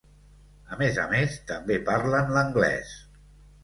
A més a més també parlen l'anglès.